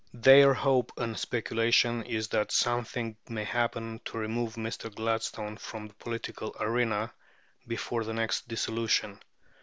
Their hope and speculation is that something may happen to remove Mr. Gladstone from the political arena before the next dissolution.